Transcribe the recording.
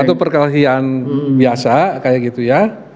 itu perkelahian biasa kayak gitu ya